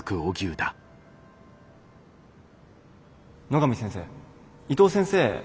野上先生伊藤先生